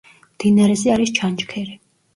მდინარეზე არის ჩანჩქერი.